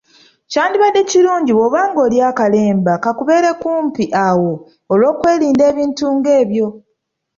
Kyadibadde kirungi bw’oba ng’olya akalemba kakubeere kumpi awo olw’okwerinda ebintu ng’ebyo.